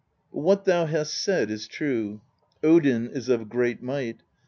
But what thou hast said is true: Odin is of great might.